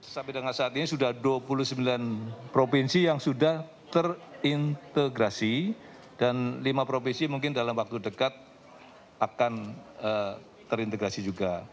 sampai dengan saat ini sudah dua puluh sembilan provinsi yang sudah terintegrasi dan lima provinsi mungkin dalam waktu dekat akan terintegrasi juga